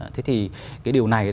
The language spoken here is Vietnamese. thế thì cái điều này